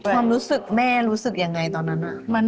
ความรู้สึกแม่รู้สึกยังไงตอนนั้น